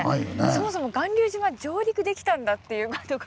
そもそも巌流島上陸できたんだっていう事が。